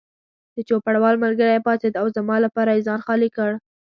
د چوپړوال ملګری پاڅېد او زما لپاره یې ځای خالي کړ.